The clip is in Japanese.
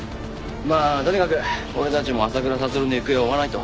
まあとにかく俺たちも浅倉悟の行方を追わないと。